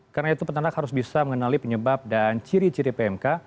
karena itu peternak harus bisa mengenali penyebab dan ciri ciri pmk